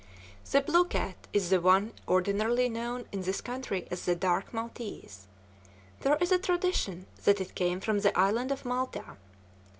The blue cat is the one ordinarily known in this country as the dark maltese. There is a tradition that it came from the Island of Malta.